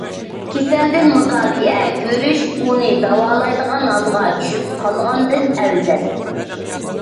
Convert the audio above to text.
كېسەلدىن مۇداپىئە كۆرۈش، ئۇنى داۋالايدىغان ھالغا چۈشۈپ قالغاندىن ئەۋزەل.